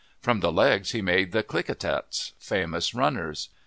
From the legs he made the Klickitats, famous runners.